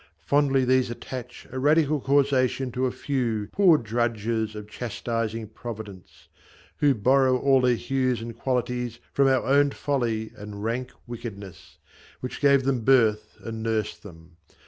Fondly these attach A radical causation to a few Poor drudges of chastising Providence, Who borrow all their hues and qualities From our own folly and rank wickedness, Which gave them birth and nursed them.